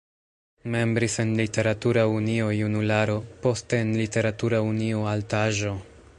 Membris en Literatura Unio "Junularo", poste en Literatura unio "Altaĵo".